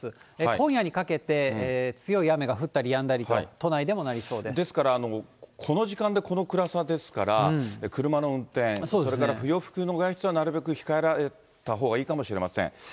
今夜にかけて、強い雨が降ったりやんだりと、都内でもなりそうでですから、この時間でこの暗さですから、車の運転、それから不要不急の外出はなるべく控えられたほうがいいかもしれません。